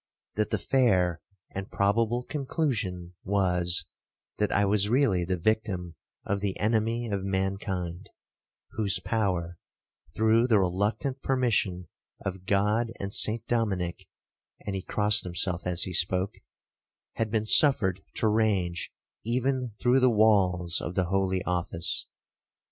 That the fair and probable conclusion was, that I was really the victim of the enemy of mankind, whose power (through the reluctant permission of God and St Dominic, and he crossed himself as he spoke) had been suffered to range even through the walls of the holy office.